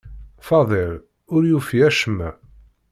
Faḍil ur yufi acemma.